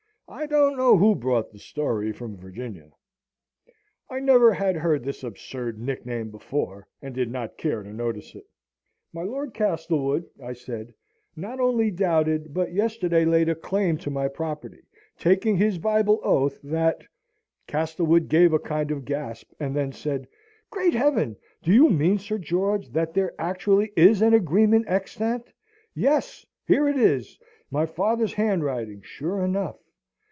I don't know who brought the story from Virginia." I never had heard this absurd nickname before, and did not care to notice it. "My Lord Castlewood," I said, "not only doubted, but yesterday laid a claim to my property, taking his Bible oath that " Castlewood gave a kind of gasp, and then said, "Great heaven! Do you mean, Sir George, that there actually is an agreement extant? Yes. Here it is my father's handwriting, sure enough!